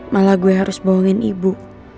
malah gue harus bohongin ibu